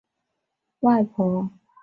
外婆还是很坚强